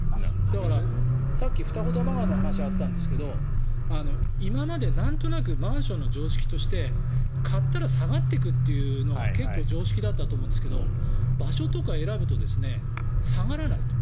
だからさっき二子玉川の話があったんですけど今までなんとなくマンションの常識として買ったら下がっていくっていうのが結構常識だったと思うんですが場所とか選ぶと下がらないと。